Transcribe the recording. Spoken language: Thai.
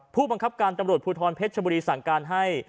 ผู้บังคับการตำรวจภูทรเพชรชบุรีสั่งการให้